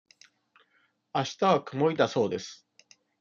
あしたは曇りだそうです。